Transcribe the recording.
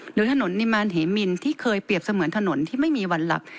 หรือถนนนิมารเหมินที่เคยเปรียบเสมือนถนนที่ไม่มีวันหลับ